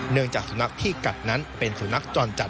เนื่องจากสุนัขที่กัดนั้นเป็นสุนัขจรจัด